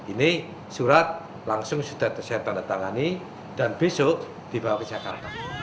ini surat langsung sudah saya tanda tangani dan besok dibawa ke jakarta